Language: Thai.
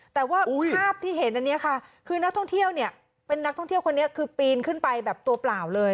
แต่ว่าภาพที่เห็นอันนี้ค่ะคือนักท่องเที่ยวเนี่ยเป็นนักท่องเที่ยวคนนี้คือปีนขึ้นไปแบบตัวเปล่าเลย